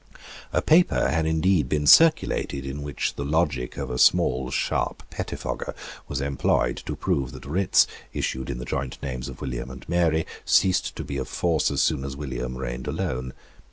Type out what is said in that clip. A paper had indeed been circulated, in which the logic of a small sharp pettifogger was employed to prove that writs, issued in the joint names of William and Mary, ceased to be of force as soon as William reigned alone.